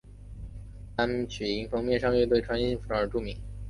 单曲因封面上乐队穿着异性服装而著名。